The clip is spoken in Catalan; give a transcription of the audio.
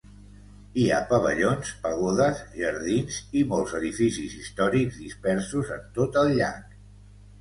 Hi ha pavellons, pagodes, jardins i molts edificis històrics dispersos en tot el llac.